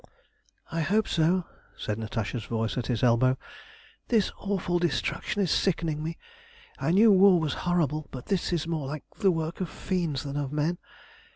"I hope so," said Natasha's voice at his elbow. "This awful destruction is sickening me. I knew war was horrible, but this is more like the work of fiends than of men.